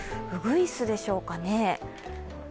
ウグイスでしょうかね。